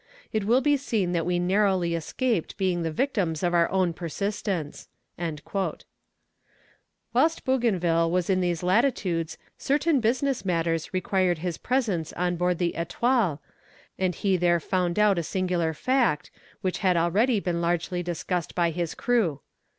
It will be seen that we narrowly escaped being the victims of our own persistance." Whilst Bougainville was in these latitudes certain business matters required his presence on board the Etoile, and he there found out a singular fact, which had already been largely discussed by his crew.